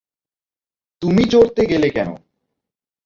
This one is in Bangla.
তুমি চড়তে গেলে কেন?